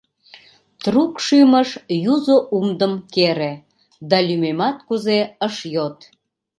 Трук шӱмыш юзо умдым кере, Да, лӱмемат кузе, ыш йод…